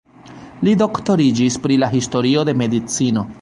Li doktoriĝis pri la historio de medicino.